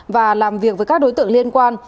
và làm việc với các đối tượng liên quan